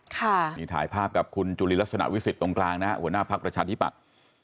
ตอนนี้ถ่ายภาพกับคุณจุลินลักษณะวิสิทธิ์ตรงกลางนะหัวหน้าภักดิ์ประจาธิบัติ